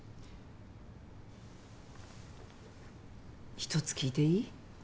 １つ聞いていい？